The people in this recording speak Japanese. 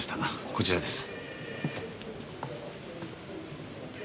こちらです。